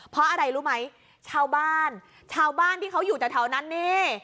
เพราะอะไรรู้ไหมชาวบ้านชาวบ้านที่เขาอยู่แถวนั้นนี่